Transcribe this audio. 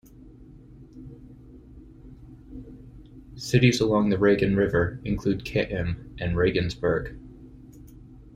Cities along the Regen river include Cham and Regensburg.